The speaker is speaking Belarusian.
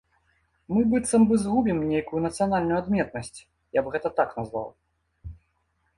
Мы быццам бы згубім нейкую нацыянальную адметнасць, я б гэта так назваў.